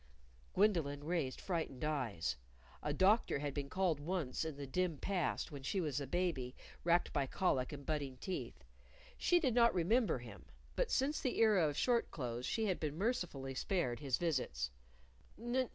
Gwendolyn raised frightened eyes. A doctor had been called once in the dim past, when she was a baby, racked by colic and budding teeth. She did not remember him. But since the era of short clothes she had been mercifully spared his visits.